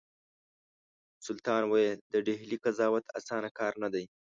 سلطان ویل د ډهلي قضاوت اسانه کار نه دی.